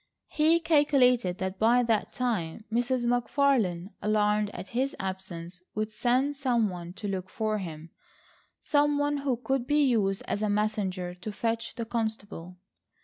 He calculated that by that time, Mrs. McFarlane, alarmed at his absence, would send some one to look for him,—some one who could be used as a messenger to fetch the constable.